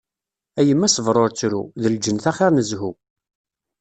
A yemma sber ur ttru, d lǧennet axir n zhu.